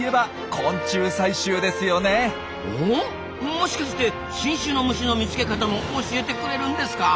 もしかして新種の虫の見つけ方も教えてくれるんですか？